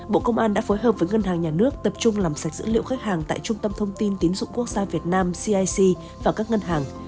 bộ công an đã phối hợp với ngân hàng nhà nước tập trung làm sạch dữ liệu khách hàng tại trung tâm thông tin tiến dụng quốc gia việt nam cic và các ngân hàng